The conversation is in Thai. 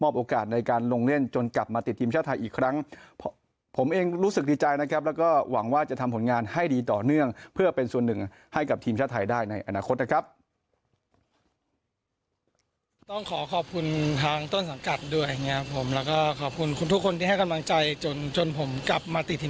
ให้กับทีมชาติไทยได้ในอนาคตนะครับ